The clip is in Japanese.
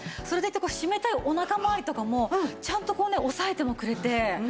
それでいて締めたいお腹まわりとかもちゃんとこうねおさえてもくれて。